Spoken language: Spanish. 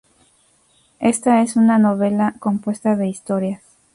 Esta es una novela compuesta de historias.